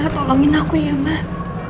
tolongin aku ya mah